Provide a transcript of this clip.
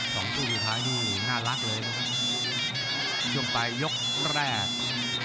สองตู้สุดท้ายนี่น่ารักเลยนะครับยกไปยกแรก